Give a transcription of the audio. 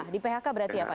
di phk berarti ya pak